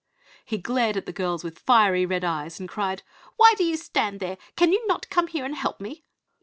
He glared at the girls with his fiery red eyes and cried, "Why do you stand there? Can you not come here and help me?"